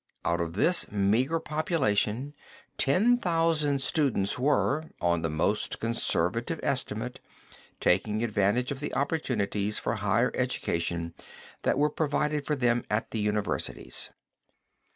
Out of this meagre population, ten thousand students were, on the most conservative estimate, taking advantage of the opportunities for the higher education that were provided for them at the universities.